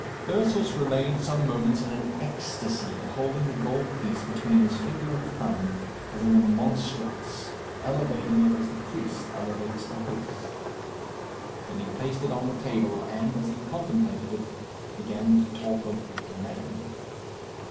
Ursus remained some moments in an ecstasy, holding the gold piece between his finger and thumb, as in a monstrance, elevating it as the priest elevates the host. Then he placed it on the table, and, as he contemplated it, began to talk of "Madam."